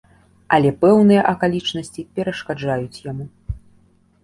Але пэўныя акалічнасці перашкаджаюць яму.